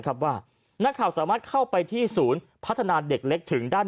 ว่านักข่าวสามารถเข้าไปที่ศูนย์พัฒนาเด็กเล็กถึงด้าน